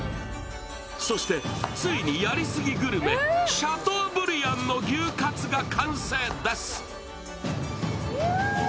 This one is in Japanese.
そしてついにやりすぎグルメシャトーブリアンの牛カツが完成です。